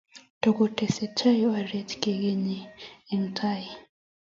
tukutesetai oret kukeny eng' tai